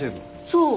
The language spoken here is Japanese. そう。